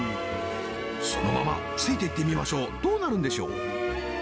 そのままついてってみましょうどうなるんでしょう？